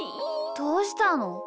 どうしたの？